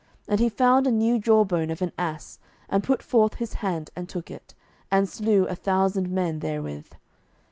07:015:015 And he found a new jawbone of an ass, and put forth his hand, and took it, and slew a thousand men therewith.